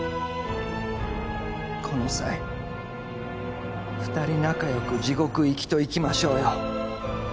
この際２人仲良く地獄行きといきましょうよ